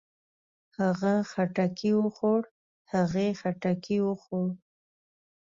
هغۀ خټکی وخوړ. هغې خټکی وخوړ.